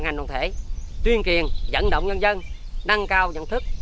các bàn hàng đồng thể tuyên truyền dẫn động nhân dân nâng cao nhận thức